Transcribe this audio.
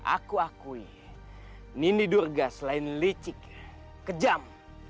aku akui nini durga selain licik kejam